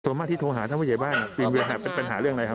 ส่วนมากที่โทรหาท่านผู้ใหญ่บ้านเป็นปัญหาเรื่องอะไรครับ